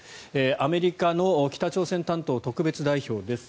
アメリカの北朝鮮担当特別代表です。